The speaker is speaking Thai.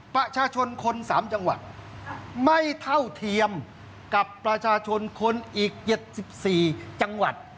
ประชาชนคน๓จังหวัดไม่เท่าเทียมกับประชาชนคนอีก๗๔จังหวัด